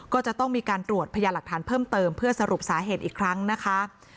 ก็จะต้องมีการตรวจพยาหลักฐานเพิ่มเติมเพื่อสรุปสาเหตุอีกครั้งนะคะ